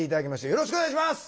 よろしくお願いします！